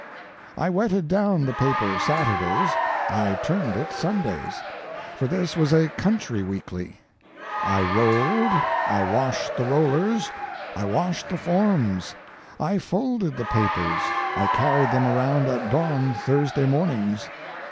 I wetted down the paper Saturdays, I turned it Sundays—for this was a country weekly; I rolled, I washed the rollers, I washed the forms, I folded the papers, I carried them around at dawn Thursday mornings.